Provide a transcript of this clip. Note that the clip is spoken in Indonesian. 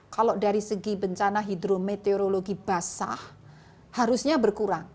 kalau dari segi bencana hidrometeorologi basah harusnya berkurang